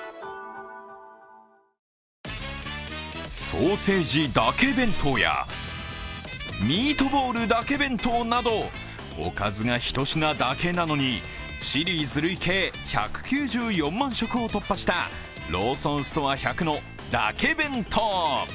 ソーセージだけ弁当やミートボールだけ弁当などおかずが１品だけなのにシリーズ累計１９４万食を突破したローソンストア１００のだけ弁当。